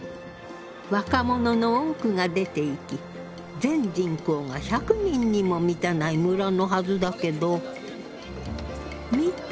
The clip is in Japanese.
若者の多くが出ていき全人口が１００人にも満たない村のはずだけど見て！